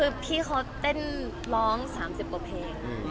คือพี่เขาเต้นร้อง๓๐กว่าเพลง